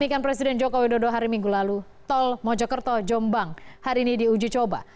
berikan presiden joko widodo hari minggu lalu tol mojokerto jombang hari ini di uji coba